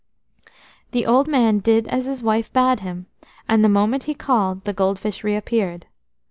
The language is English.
The old man did as his wife bade him, and the moment he called the gold fish reappeared.